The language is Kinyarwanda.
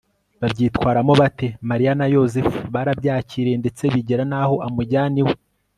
babyitwaramo bate ? mariya na yozefu barabyakiriye ndetse bigera n'aho amujyana iwe